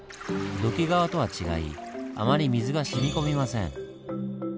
土器川とは違いあまり水がしみ込みません。